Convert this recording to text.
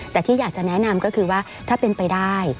แต่ที่อยากจะแนะนำก็คือว่าถ้าเป็นไปได้